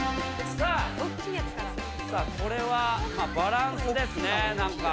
さあこれはバランスですね。